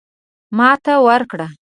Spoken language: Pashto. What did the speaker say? ماته ورکړه.